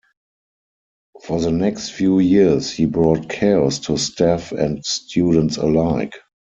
For the next few years, he brought chaos to staff and students alike.